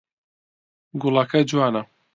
گوڵەکە جوانە.